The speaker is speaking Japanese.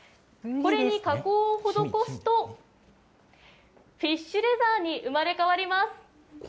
これに加工を施すと、フィッシュレザーに生まれ変わります。